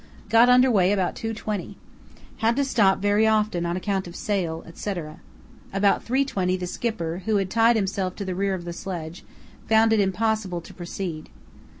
Got under way about 2.20. Had to stop very often on account of sail, etc. About 3.20 the Skipper, who had tied himself to the rear of the sledge, found it impossible to proceed.